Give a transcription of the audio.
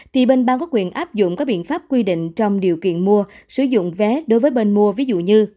thì bên bang có quyền áp dụng các biện pháp quy định trong điều kiện mua sử dụng vé đối với bên mua ví dụ như